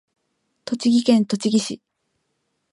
栃木県栃木市